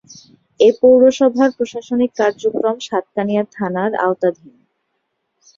এ পৌরসভার প্রশাসনিক কার্যক্রম সাতকানিয়া থানার আওতাধীন।